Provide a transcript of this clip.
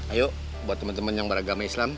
ayo buat temen temen yang beragama islam